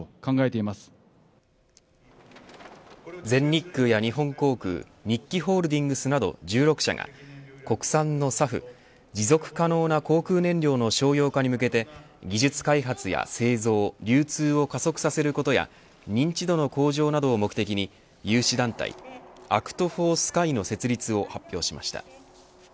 全日空や日本航空日揮ホールディングスなど１６社が国産のＳＡＦ持続可能な航空燃料の商用化に向けて技術開発や製造流通を加速させることや認知度の向上などを目的に有志団体ＡＣＴＦＯＲＳＫＹの設立を発表しました。